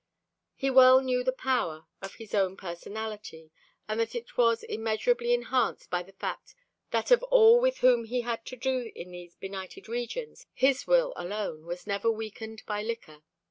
He well knew the power of his own personality, and that it was immeasurably enhanced by the fact that of all with whom he had to do in these benighted regions his will alone was never weakened by liquor.